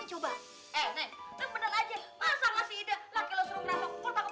laki lu suruh ngerampok